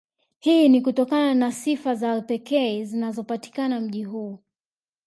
Hii ni kutokana na sifa za pekee zinazopatikana mji huu